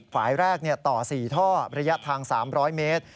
ฝ่ายแรกต่อ๔ท่อระยะทาง๓๐๐เมตร